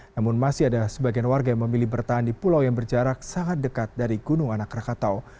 namun masih ada sebagian warga yang memilih bertahan di pulau yang berjarak sangat dekat dari gunung anak rakatau